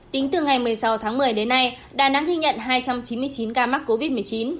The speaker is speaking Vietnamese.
tính từ ngày một mươi sáu tháng một mươi đến nay đà nẵng ghi nhận hai trăm chín mươi chín ca mắc covid một mươi chín